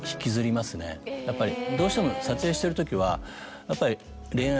やっぱりどうしても撮影してるときはやっぱり。